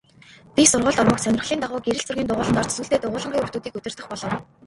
Би сургуульд ормогц сонирхлын дагуу гэрэл зургийн дугуйланд орж сүүлдээ дугуйлангийн хүүхдүүдийг удирдах болов.